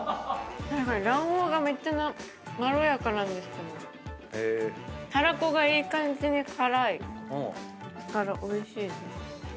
卵黄がめっちゃまろやかなんですけどたらこがいい感じに辛いからおいしいです。